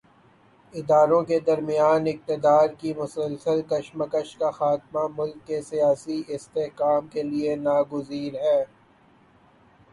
اداروں کے درمیان اقتدار کی مسلسل کشمکش کا خاتمہ، ملک کے سیاسی استحکام کے لیے ناگزیر ہے۔